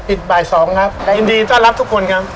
อีกบ่าย๒ครับแต่ยินดีต้อนรับทุกคนครับ